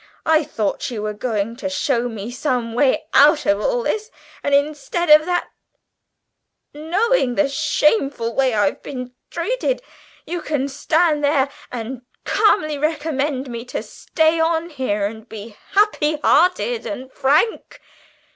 I thought you were going to show me some way out of all this, and instead of that, knowing the shameful way I've been treated, you can stand there and calmly recommend me to stay on here and be happy hearted and frank!"